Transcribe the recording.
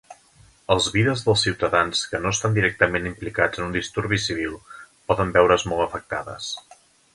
Els vides dels ciutadans que no es estan directament implicats en un disturbi civil poden veure's molt afectades.